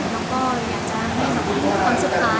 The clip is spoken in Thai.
ใช้งานให้ยาฆเค้าใช้อยู่แล้วให้